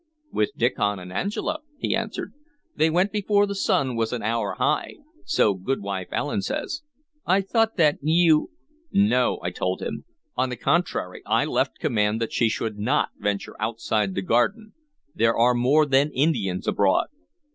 "With Diccon and Angela," he answered. "They went before the sun was an hour high, so Goodwife Allen says. I thought that you " "No," I told him. "On the contrary, I left command that she should not venture outside the garden. There are more than Indians abroad."